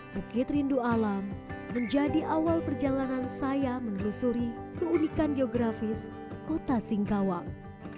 bukit rindu alam menjadi awal perjalanan saya menelusuri keunikan geografis kota singkawang